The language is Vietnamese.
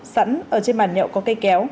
sẵn ở trên bàn nhậu có cây kéo